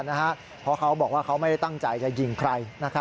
เพราะเขาบอกว่าเขาไม่ได้ตั้งใจจะยิงใคร